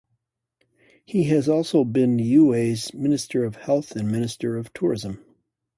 He has also been Niue's Minister of Health and Minister of Tourism.